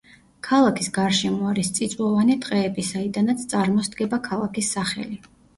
ქალაქის გარშემო არის წიწვოვანი ტყეები, საიდანაც წარმოსდგება ქალაქის სახელი.